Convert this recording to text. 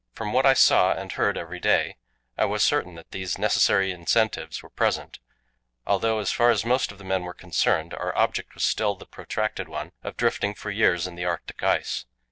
From what I saw and heard every day, I was certain that these necessary incentives were present; although, as far as most of the men were concerned, our object was still the protracted one of drifting for years in the Arctic ice.